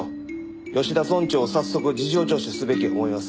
吉田村長を早速事情聴取すべきや思います。